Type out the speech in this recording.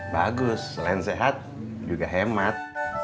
bagus selain sehat juga hemat